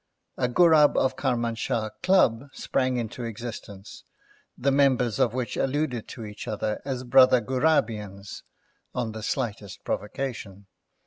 A Ghurab of Karmanshah Club sprang into existence, the members of which alluded to each other as Brother Ghurabians on the slightest provocation.